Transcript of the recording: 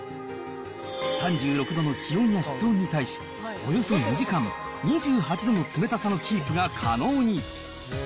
３６度の気温や室温に対し、およそ２時間、２８度の冷たさのキープが可能に。